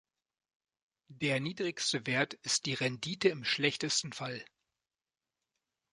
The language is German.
Der niedrigste Wert ist die Rendite im schlechtesten Fall.